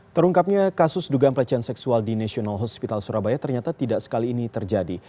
terungkapnya kasus dugaan pelecehan seksual di national hospital surabaya ternyata tidak sekali ini terjadi